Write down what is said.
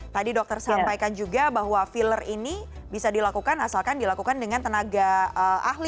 tadi dokter sampaikan juga bahwa filler ini bisa dilakukan asalkan dilakukan dengan tenaga ahli